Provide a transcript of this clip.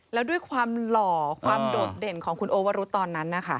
แล้วด้วยความหล่อความโดดเด่นของคุณโอวรุธตอนนั้นนะคะ